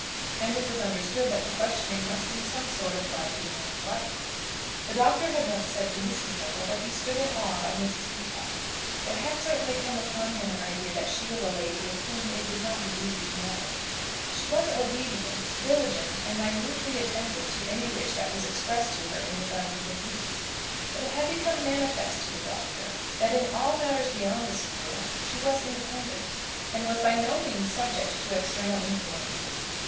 And it was understood that the questioning must in some sort apply to the man's wife. The Doctor had once said to Mrs. Wortle that he stood in awe of Mrs. Peacocke. There had certainly come upon him an idea that she was a lady with whom it would not be easy to meddle. She was obedient, diligent, and minutely attentive to any wish that was expressed to her in regard to her duties; but it had become manifest to the Doctor that in all matters beyond the school she was independent, and was by no means subject to external influences.